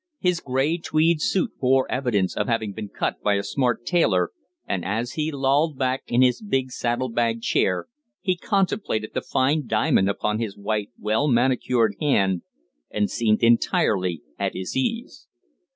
His grey tweed suit bore evidence of having been cut by a smart tailor, and as he lolled back in his big saddle bag chair he contemplated the fine diamond upon his white, well manicured hand, and seemed entirely at his ease.